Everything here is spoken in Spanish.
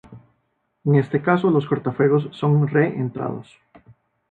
En este caso, los cortafuegos son re entrados.